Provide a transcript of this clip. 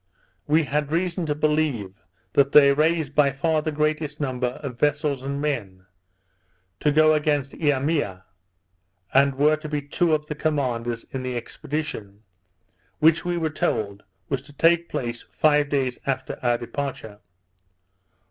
We had reason to believe that they raised by far the greatest number of vessels and men, to go against Eimea, and were to be two of the commanders in the expedition, which we were told was to take place five days after our departure.